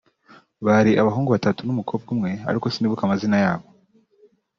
bari abahungu batatu n’umukobwa umwe ariko sinibuka amazina yabo